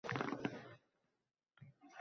— Dunyoni... surbet bosib ketibdi, kampir.